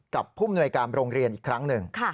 ผู้มนวยการโรงเรียนอีกครั้งหนึ่ง